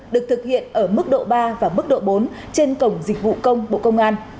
được thực hiện ở mức độ ba và mức độ bốn trên cổng dịch vụ công bộ công an